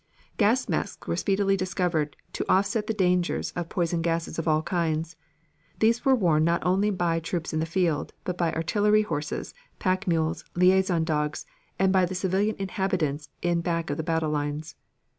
Gas masks were speedily discovered to offset the dangers of poison gases of all kinds. These were worn not only by troops in the field, but by artillery horses, pack mules, liaison dogs, and by the civilian inhabitants in back of the battle lines.